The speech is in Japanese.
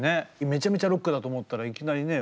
めちゃくちゃロックだと思ったらいきなりね。